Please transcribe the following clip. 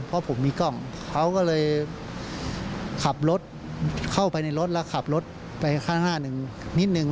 เพราะผมมีกล้องเขาก็เลยขับรถเข้าไปในรถแล้วขับรถไปข้างหน้าหนึ่งนิดนึง